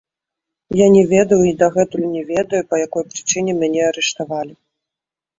Я не ведаў і дагэтуль не ведаю, па якой прычыне мяне арыштавалі.